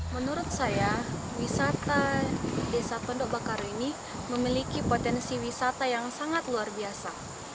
menurut saya wisata desa pondok bakaru ini memiliki potensi wisata yang sangat luar biasa